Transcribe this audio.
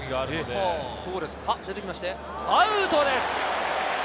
出てきまして、アウトです。